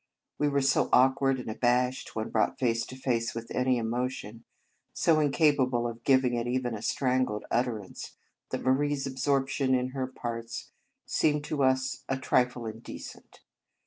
We were so awk ward and abashed when brought face to face with any emotion, so incapable of giving it even a strangled utterance, that Marie s absorption in her parts seemed to us a trifle indecent.